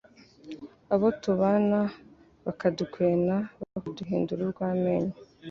abo tubana bakadukwena bakaduhindura urw’amenyo